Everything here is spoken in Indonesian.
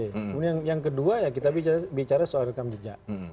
kemudian yang kedua ya kita bicara soal rekam jejak